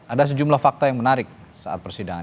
ada sejumlah fakta yang menarik saat persidangan